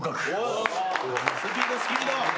スピードスピード！